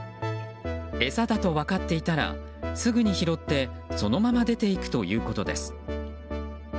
餌だと分かっていたらすぐに拾ってそのまま出て行くということです。